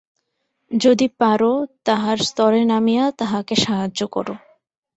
যদি পার তাহার স্তরে নামিয়া তাহাকে সাহায্য কর।